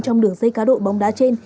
trong đường dây cá độ bóng đá trên